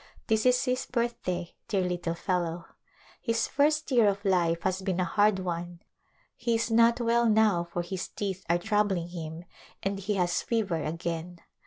This is his birthday, dear little fellow. His first year of life has been a hard one j he is not well now for his teeth are troub ling him and he has fever again.